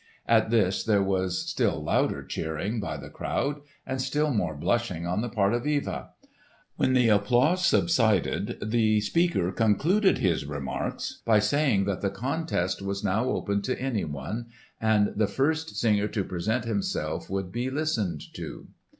At this there was still louder cheering by the crowd and still more blushing on the part of Eva. When the applause subsided, the speaker concluded his remarks by saying that the contest was now open to anyone, and the first singer to present himself would be listened to.